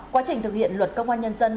quá trình thực hiện luật công an nhân dân